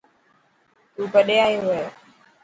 تون ڪڏهن آيو هي.